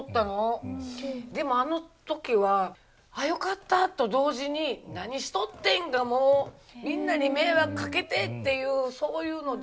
でもあの時は「ああよかった」と同時に「何しとってん！」がもう「みんなに迷惑かけて！」っていうそういうので。